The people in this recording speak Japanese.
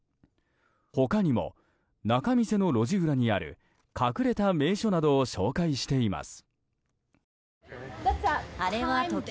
他にも仲見世の路地裏にある隠れた名所などを紹介しています。